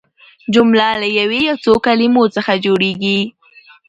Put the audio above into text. جمله له یوې یا څو کلیمو څخه جوړیږي.